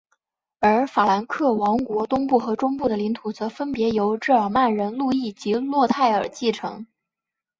而法兰克王国东部和中部的领土则分别由日耳曼人路易及洛泰尔继承。